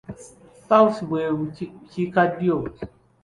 South bwe Bukiikaddyo.